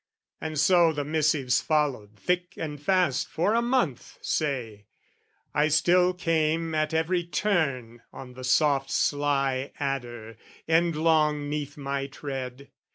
And so the missives followed thick and fast For a month, say, I still came at every turn On the soft sly adder, endlong 'neath my tread.